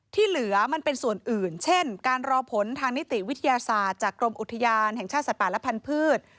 ที่เหลือมันเป็นส่วนอื่นเช่นการรอผลทางนิติวิทยาศาสตร์จากกรมอุทยานแห่งชาติสัตว์ป่าและพันธุ์